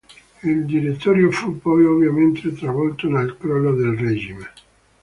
Il Direttorio fu poi ovviamente travolto dal crollo del regime.